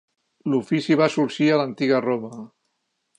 L'ofici va sorgir a l'Antiga Roma.